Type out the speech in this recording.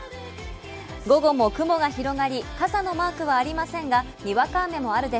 午後も雲が広がり、傘のマークはありませんが、にわか雨もあるで